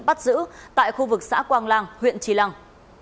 bắt giữ tại khu vực xã quang lang huyện tri lăng